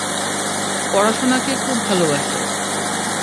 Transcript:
পড়াশোনাকে খুব ভালবাসে।